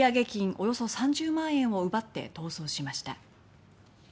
およそ３０万円を奪って逃走しました。